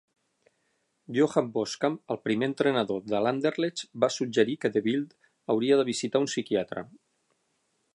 Johan Boskamp, el primer entrenador de l'Anderlecht, va suggerir que De Bilde hauria de visitar un psiquiatre.